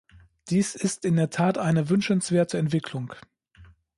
Dies ist in der Tat eine wünschenswerte Entwicklung.